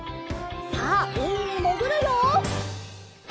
さあうみにもぐるよ！